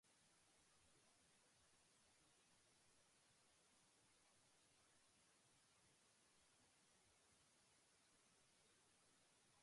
「おれは国一つを平げて大へん立派な暮しをしている。がしかし、部下の兵隊に食わして行くだけの金がない。」